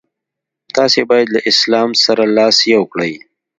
تاسي باید له اسلام سره لاس یو کړئ.